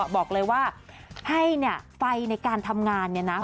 บอกเลยว่าให้ไฟในการทำงานเนี่ยนะ